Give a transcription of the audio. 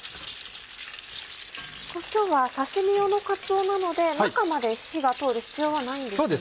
今日は刺し身用のかつおなので中まで火が通る必要はないんですね。